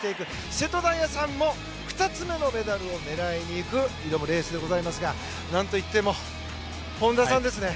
瀬戸大也さんも２つ目のメダルを狙いにいく挑むレースでございますが何といっても、本多さんですね。